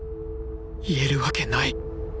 言えるわけない！